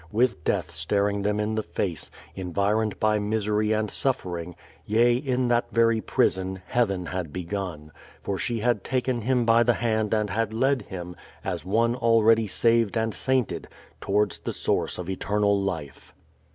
With death staring them in the face, environed by misery and suffering, yea, in that very prison, heaven had begun, for she had taken him by the hand and had led him, as one already saved and sainted, towards the source of eternal life.